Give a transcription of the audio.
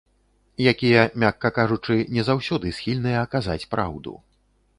Якія, мякка кажучы, не заўсёды схільныя казаць праўду.